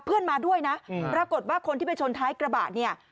เพื่อนมาด้วยนะปรากฏว่าคนที่ไปชนท้ายกระบะเนี่ย